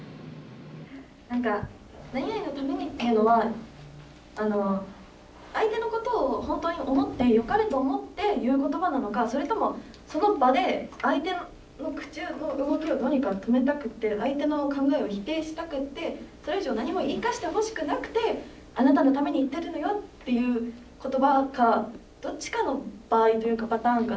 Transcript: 何か「なになにのために」っていうのはあの相手のことを本当に思ってよかれと思って言う言葉なのかそれともその場で相手の口の動きをどうにか止めたくって相手の考えを否定したくってそれ以上何も言い返してほしくなくて「あなたのために言ってるのよ」っていう言葉かどっちかの場合というかパターンかなと思っていて。